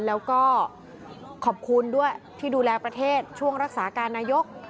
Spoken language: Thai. แล้วก็ขอบคุณด้วยที่ดูแลประเทศช่วงรักษาการนายก